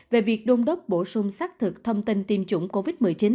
về việc đôn đốc bổ sung xác thực thông tin tiêm chủng covid một mươi chín